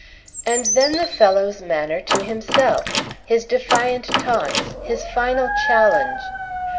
And then the fellow's manner to himself, his defiant taunts, his final challenge!